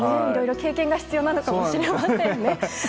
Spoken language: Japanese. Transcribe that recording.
いろいろ経験が必要かもしれませんね。